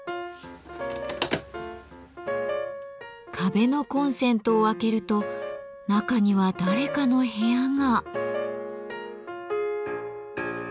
壁のコンセントを開けると中には誰かの部屋が。